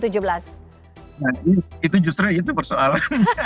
nah itu justru itu persoalan